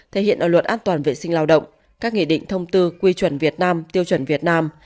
thể hiện ở luật an toàn vệ sinh lao động các nghị định thông tư quy chuẩn việt nam tiêu chuẩn việt nam